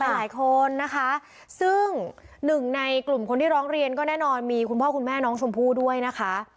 หลายคนนะคะซึ่งหนึ่งในกลุ่มคนที่ร้องเรียนก็แน่นอนมีคุณพ่อคุณแม่น้องชมพู่ด้วยนะคะ